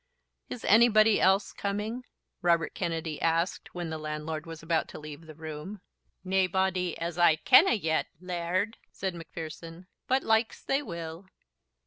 "Is anybody else coming?" Robert Kennedy asked, when the landlord was about to leave the room. "Naebody as I ken o', yet, laird," said Macpherson, "but likes they will."